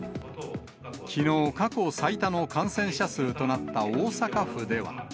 きのう、過去最多の感染者数となった大阪府では。